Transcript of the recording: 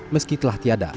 meski telah tiada